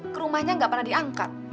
ke rumahnya nggak pernah diangkat